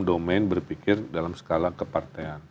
domain berpikir dalam skala kepartean